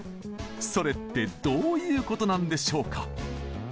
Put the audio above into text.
それってどういうことなんでしょうか？